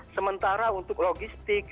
sementara untuk logistik